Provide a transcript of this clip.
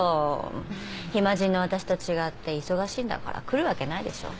暇人の私と違って忙しいんだから来るわけないでしょ。